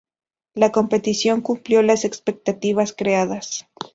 La competición cumplió las expectativas creadas.